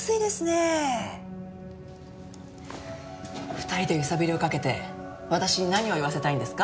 ２人で揺さぶりをかけて私に何を言わせたいんですか？